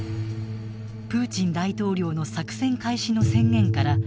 プーチン大統領の作戦開始の宣言から２５分後。